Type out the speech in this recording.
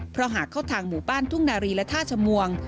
เพราะหากเข้าทางหมู่บ้านทุ่งนารีและท่าชมวง